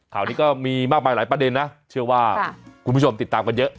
ข่าวนี้ก็มีมากมายหลายประเด็นนะเชื่อว่าคุณผู้ชมติดตามกันเยอะ